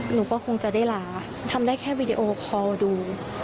หนูก็คงจะได้ลาทำได้แค่วีดีโอคอลดู